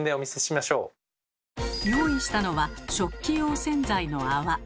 では用意したのは食器用洗剤の泡。